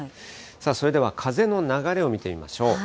さあ、それでは風の流れを見てみましょう。